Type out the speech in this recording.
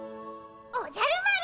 おじゃる丸！